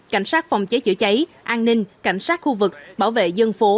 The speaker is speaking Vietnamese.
cảnh sát phòng cháy chữa cháy an ninh cảnh sát khu vực bảo vệ dân phố